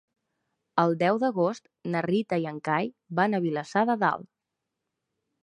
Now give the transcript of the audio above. El deu d'agost na Rita i en Cai van a Vilassar de Dalt.